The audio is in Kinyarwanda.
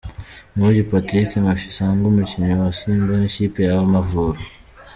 Nguyu Patrick Mafisango umukinnyi wa Simba n'ikipe y'Amavubi.